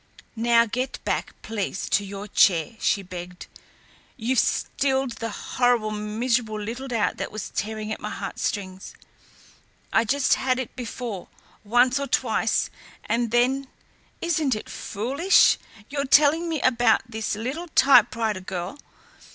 "Now get back, please, to your chair," she begged. "You've stilled the horrible, miserable little doubt that was tearing at my heartstrings. I just had it before, once or twice, and then isn't it foolish! your telling me about this little typewriter girl!